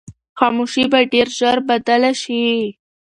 خاموشي به ډېر ژر بدله شي.